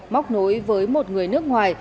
móc nối với một người nước ngoài